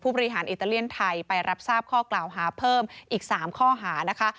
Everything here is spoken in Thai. บริหารอิตาเลียนไทยไปรับทราบข้อกล่าวหาเพิ่มอีก๓ข้อหานะคะ